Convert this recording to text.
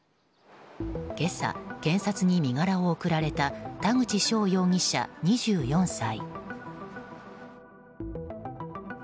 今朝、検察に身柄を送られた田口翔容疑者、２４歳。